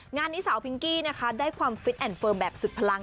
งานนี้สาวพิงกี้นะคะได้ความฟิตแอนดเฟิร์มแบบสุดพลัง